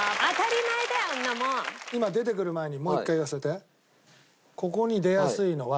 今出てくる前にもう一回言わせて。